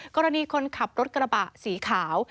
กรณีคนขับรถกระบะสีขาว